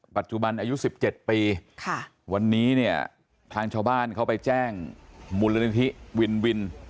ปัจจุบันอายุ๑๗ปีวันนี้เนี่ยทางชาวบ้านเขาไปแจ้งมูลนิธิวินวิน